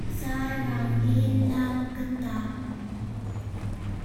Sahrai in nam kan tat.